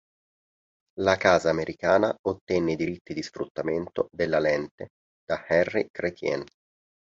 La casa americana ottenne i diritti di sfruttamento della lente da Henri Chrétien.